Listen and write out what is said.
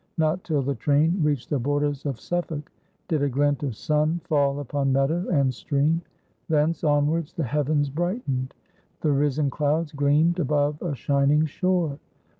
Not till the train reached the borders of Suffolk did a glint of sun fall upon meadow and stream; thence onwards the heavens brightened; the risen clouds gleamed above a shining shore.